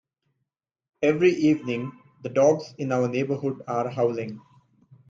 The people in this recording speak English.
Every evening, the dogs in our neighbourhood are howling.